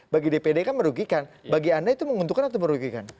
bagi dpd kan merugikan bagi anda itu menguntungkan atau merugikan